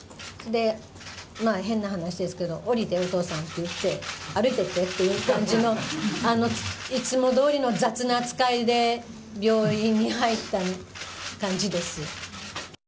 変な話ですけど降りて、お父さんって言って歩いていってという感じのいつもどおりの雑な扱いで病院に入った感じです。